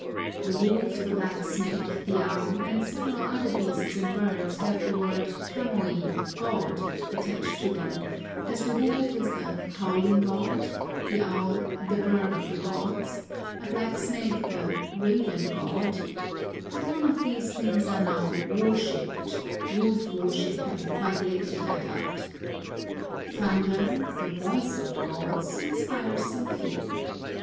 The wolf, the black snake, the owl, and several other beasts and birds have the word kamoi, god, attached to them, as the wolf is the "howling god," the owl "the bird of the gods," a black snake the "raven god;" but none of these things are now "worshipped," wolf worship having quite lately died out. Thunder, "the voice of the gods," inspires some fear.